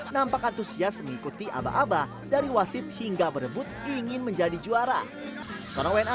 nampak antusias mengikuti aba aba dari wasit hingga berebut ingin menjadi juara seorang wna